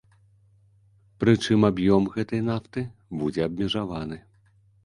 Прычым аб'ём гэтай нафты будзе абмежаваны.